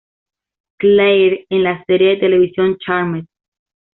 Claire en la serie de televisión "Charmed".